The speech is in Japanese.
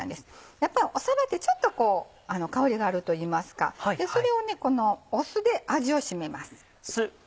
やっぱりそうめんってちょっと香りがあるといいますかそれをこの酢で味を締めます。